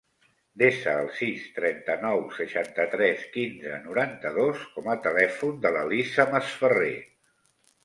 Desa el sis, trenta-nou, seixanta-tres, quinze, noranta-dos com a telèfon de l'Elisa Masferrer.